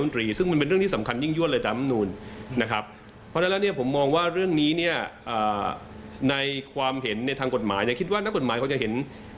แต่ผมมองว่าเรื่องนี้เนี่ยในความเห็นในทางกฎหมายเนี่ยคิดว่านักกฎหมายเขาจะเห็น